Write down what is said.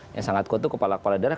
yang sangat kuat itu kepala kepala daerah